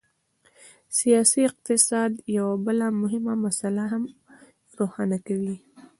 سیاسي اقتصاد یوه بله مهمه مسله هم روښانه کوي.